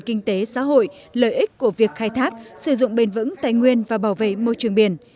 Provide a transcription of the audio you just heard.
kinh tế xã hội lợi ích của việc khai thác sử dụng bền vững tài nguyên và bảo vệ môi trường biển